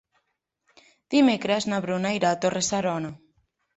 Dimecres na Bruna irà a Torre-serona.